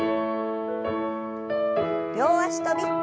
両脚跳び。